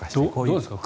どうですか？